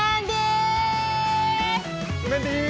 うメンディーー！